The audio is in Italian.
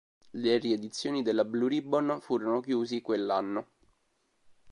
Le riedizioni della Blue Ribbon furono chiusi quell'anno.